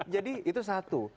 jadi itu satu